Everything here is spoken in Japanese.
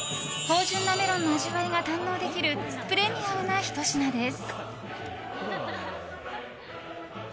芳醇なメロンの味わいが堪能できるプレミアムなひと品です。